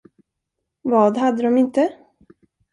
Vad hade de inte?